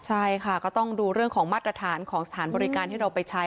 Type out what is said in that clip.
ใช่ค่ะก็ต้องดูเรื่องของมาตรฐานของสถานบริการที่เราไปใช้